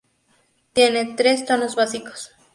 Tiene tres tonos básicos.